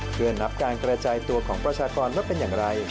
เพื่อนับการกระจายตัวของประชากรว่าเป็นอย่างไร